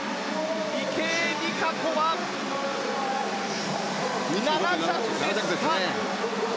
池江璃花子は７着です。